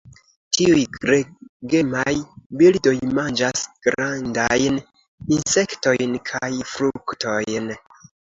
Tiuj gregemaj birdoj manĝas grandajn insektojn kaj fruktojn.